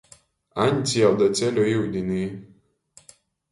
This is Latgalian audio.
Aņds jau da ceļu iudinī.